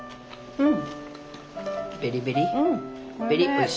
うん。